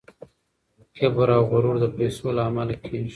کبر او غرور د پیسو له امله کیږي.